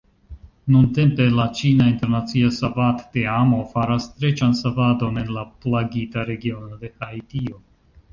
Nuntempe, la ĉina internacia savadteamo faras streĉan savadon en la plagita regiono de Haitio.